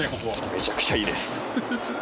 めちゃくちゃいいです。